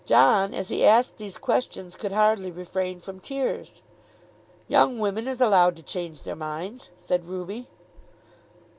John as he asked these questions could hardly refrain from tears. "Young women is allowed to change their minds," said Ruby.